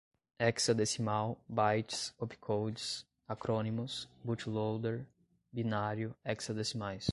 Hexadecimal, bytes, opcodes, acrônimos, bootloader, binário, hexadecimais